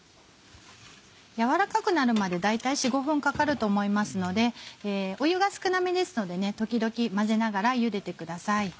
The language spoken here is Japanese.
軟らかくなるまで大体４５分かかると思いますので湯が少なめですので時々混ぜながらゆでてください。